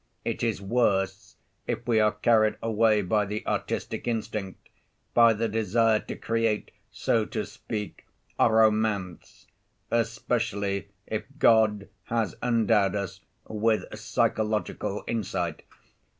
It is worse if we are carried away by the artistic instinct, by the desire to create, so to speak, a romance, especially if God has endowed us with psychological insight.